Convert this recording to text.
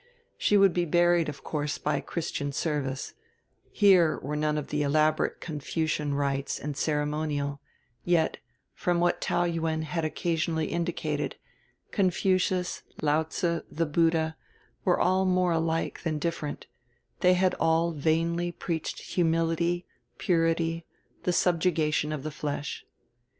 She would be buried of course by Christian service: here were none of the elaborate Confucian rites and ceremonial; yet from what Taou Yuen had occasionally indicated Confucius, Lao tze, the Buddha, were all more alike than different; they all vainly preached humility, purity, the subjugation of the flesh.